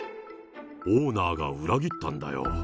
オーナーが裏切ったんだよ。